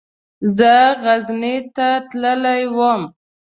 زه غزني ته تللی وم.